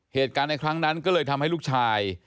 เหตุการณ์ในครั้งนั้นก็เลยทำให้ลูกชาย